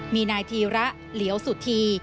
มีนายธีระเหลียวสุธี